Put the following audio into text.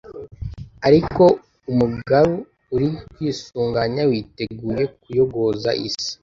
ariko umugaru uri kwisuganya, witeguye kuyogoza isi